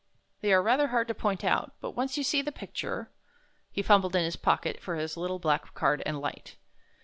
"They are rather hard to point out, but once you see the picture —" he fumbled in his pocket for his little black card and hght.